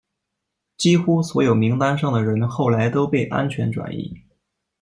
几乎所有名单上的人后来都被安全转移。